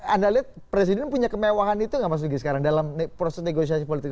anda lihat presiden punya kemewahan itu nggak mas nugi sekarang dalam proses negosiasi politik